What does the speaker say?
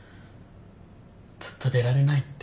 ずっと出られないって。